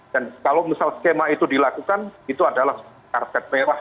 dan kalau misal skema itu dilakukan itu adalah karset merah